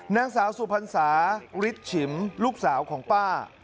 นางสาวสุพรรษาริสฉิมลูกสาวของป้า